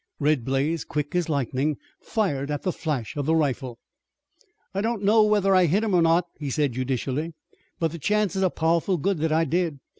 Red Blaze, quick as lightning, fired at the flash of the rifle. "I don't know whether I hit him or not," he said, judicially, "but the chances are pow'ful good that I did.